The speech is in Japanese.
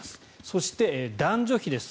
そして、男女比です。